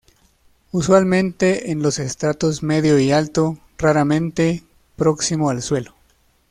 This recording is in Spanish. Usualmente en los estratos medio y alto, raramente próximo al suelo.